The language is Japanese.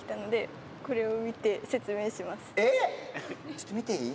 ちょっと見ていい？